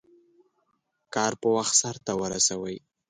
کار په وخت سرته ورسوئ.